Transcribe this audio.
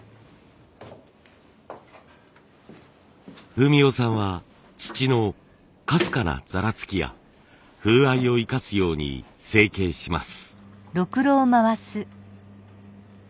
文雄さんは土のかすかなざらつきや風合いを生かすように成形します。